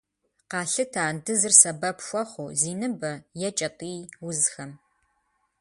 Къалъытэ андызыр сэбэп хуэхъуу зи ныбэ е кӏэтӏий узхэм.